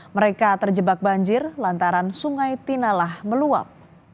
mereka terjebak banjir lantaran sungai tinalah meluap